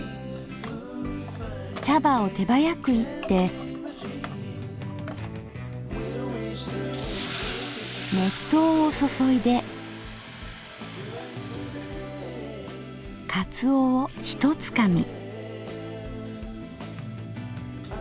茶葉を手早く炒って熱湯を注いでかつおをひとつかみ。